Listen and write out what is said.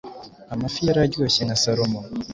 Amafi yararyoshye nka salmon.